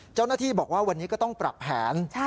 เจ้าหน้าที่บอกว่าวันนี้ก็ต้องปรับแผน